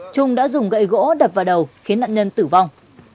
trung đã dùng gậy gỗ đập vào đầu khiến nạn nhân tử vong